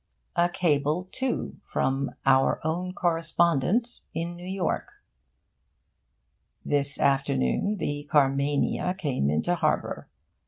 A cable, too, from 'Our Own Correspondent' in New York: This afternoon the Carmania came into harbour.